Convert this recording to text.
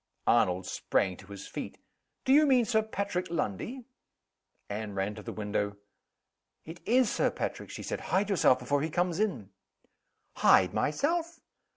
Arnold sprang to his feet. "Do you mean Sir Patrick Lundie?" Anne ran to the window. "It is Sir Patrick!" she said. "Hide yourself before he comes in!" "Hide myself?"